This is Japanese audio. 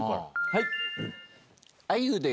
はい。